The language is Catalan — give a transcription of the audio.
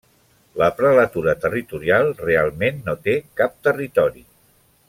La prelatura territorial realment no té cap territori.